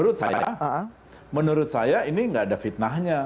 artinya bahwa menurut saya ini nggak ada fitnahnya